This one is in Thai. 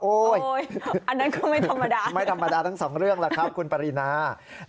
อันนั้นคือไม่ธรรมดาไม่ธรรมดาทั้งสองเรื่องล่ะครับคุณปรินา